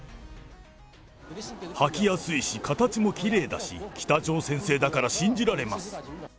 履きやすいし、形もきれいだし、北朝鮮製だから信じられます。